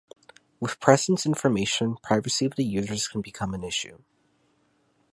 With presence information, privacy of the users can become an issue.